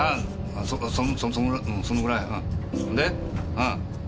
うん。